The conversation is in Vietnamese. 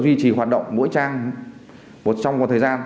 duy trì hoạt động mỗi trang một trong một thời gian